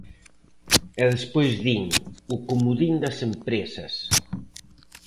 E despois din: o comodín das empresas.